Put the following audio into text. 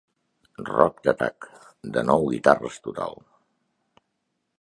Rock d'atac de nou guitarres total.